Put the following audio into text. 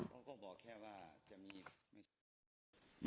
มีเรื่องอะไรมาคุยกันรับได้ทุกอย่าง